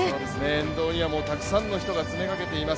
沿道にはたくさんの人が詰めかけています。